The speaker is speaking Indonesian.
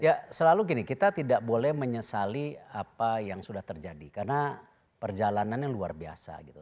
ya selalu gini kita tidak boleh menyesali apa yang sudah terjadi karena perjalanannya luar biasa gitu